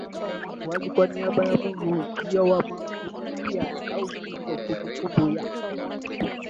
wazi kwa niaba ya Mungu ujio wa Masiya au Kristo Kumbukumbu ya